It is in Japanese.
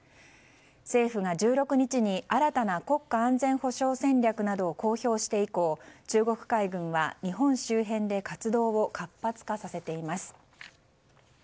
政府が１６日に新たな国家安全保障戦略などを公表して以降中国海軍は日本周辺で活動を活発化させています。